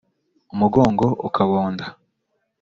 umugongo ukabonda